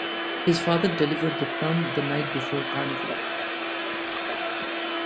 His father delivered the crown the night before Carnival.